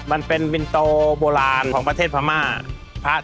มันเป็นบินโตโบราณของประเทศพม่า